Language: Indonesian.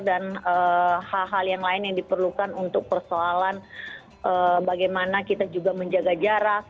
dan hal hal yang lain yang diperlukan untuk persoalan bagaimana kita juga menjaga jarak